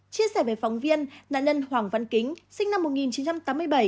chia sẻ với phóng viên nạn nhân hoàng văn kính sinh năm một nghìn chín trăm tám mươi bảy